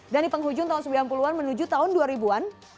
dan di penghujung tahun sembilan puluh an menuju tahun dua ribu an